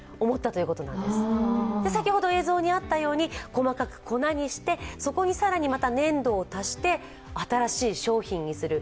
細かく粉にして、そこに更にまた粘土を足して、新しい商品にする。